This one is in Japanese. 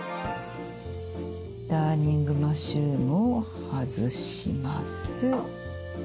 ダーニングマッシュルームを外します。